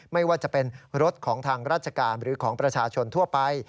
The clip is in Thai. ไม่ว่าจะเป็นรถของทางราชการหรือของประชาชนทั่วไป